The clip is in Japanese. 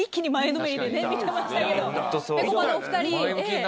ぺこぱのお二人。